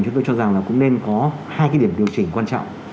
chúng tôi cho rằng là cũng nên có hai cái điểm điều chỉnh quan trọng